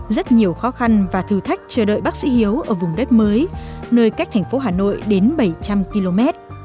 rất nhiều khó khăn và thử thách chờ đợi bác sĩ hiếu ở vùng đất mới nơi cách thành phố hà nội đến bảy trăm linh km